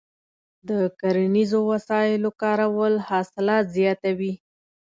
د کرنیزو وسایلو کارول حاصلات زیاتوي.